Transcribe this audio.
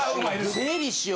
整理しよ。